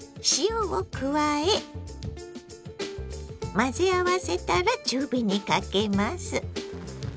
混ぜ合わせたら中火にかけます。